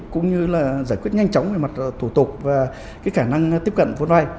cũng như giải quyết nhanh chóng về mặt thủ tục và khả năng tiếp cận vôn vai